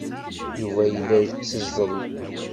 Yuba yella yetteẓẓel.